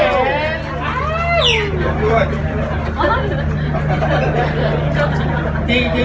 ขอบคุณค่ะ